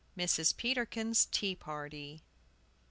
MRS. PETERKIN'S TEA PARTY.